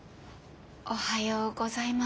おはようございます。